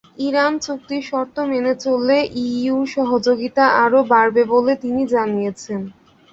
Iran চুক্তির শর্ত মেনে চললে ইইউর সহযোগিতা আরও বাড়বে বলে তিনি জানিয়েছেন।